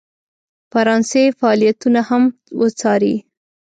فرانسې فعالیتونه هم وڅاري.